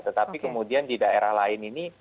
tetapi kemudian di daerah lain ini